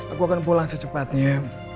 aku akan pulang secepatnya